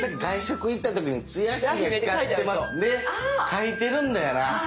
書いてるんだよな。